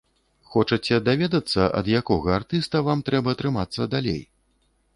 Хочаце даведацца, ад якога артыста вам трэба трымацца далей?